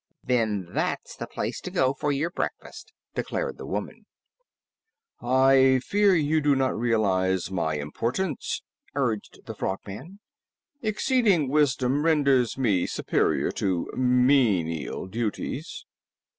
"Then that's the place to go for your breakfast," declared the woman. "I fear you do not realize my importance," urged the Frogman. "Exceeding wisdom renders me superior to menial duties."